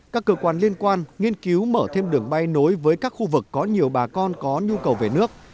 các cơ quan liên quan nghiên cứu mở thêm đường bay nối với các khu vực có nhiều bà con có nhu cầu về nước